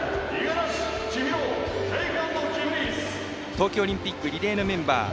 東京オリンピックリレーのメンバー。